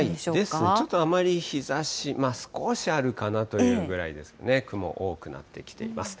ですね、ちょっとあまり日ざし、少しあるかなというぐらいですね、雲、多くなってきています。